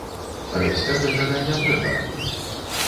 Рэзка гэтага не трэба рабіць.